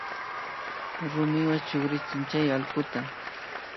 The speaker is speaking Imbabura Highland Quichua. Rumiwa chukrichirka chay allkuta